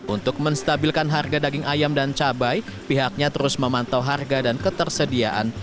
untuk menstabilkan harga daging ayam dan cabai pihaknya terus memantau harga dan ketersediaan